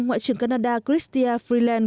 ngoại trưởng canada chrystia freeland